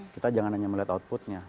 kita jangan hanya melihat outputnya